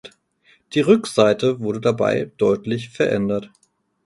Die Rückseite wurde dabei deutlich verändert.